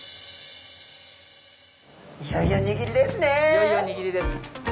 いよいよ握りです。